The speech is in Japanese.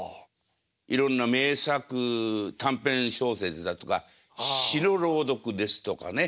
いろんな名作短編小説だとか詩の朗読ですとかね。